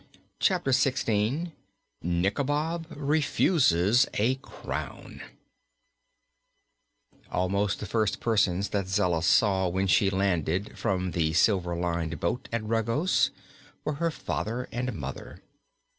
Chapter Sixteen Nikobob Refuses a Crown Almost the first persons that Zella saw when she landed from the silver lined boat at Regos were her father and mother.